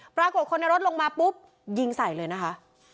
ปรากฏคนในรถลงมาปุ๊บยิงใส่เลยนะคะ